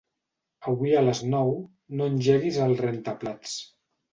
Avui a les nou no engeguis el rentaplats.